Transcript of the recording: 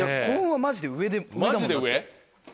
マジで上？